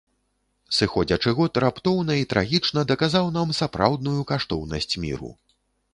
Сыходзячы год раптоўна і трагічна даказаў нам сапраўдную каштоўнасць міру.